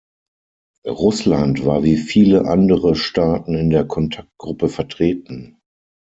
Russland war wie viele andere Staaten in der Kontaktgruppe vertreten.